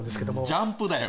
『ジャンプ』だよ！